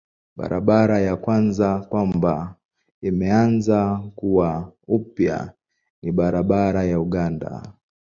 Barabara ya kwanza kwamba imeanza kuwa upya ni barabara ya Uganda.